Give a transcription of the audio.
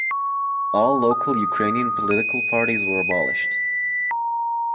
All local Ukrainian political parties were abolished.